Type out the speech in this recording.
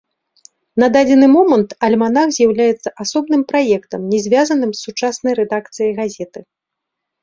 На дадзены момант альманах з'яўляецца асобным праектам, не звязаным з сучаснай рэдакцыяй газеты.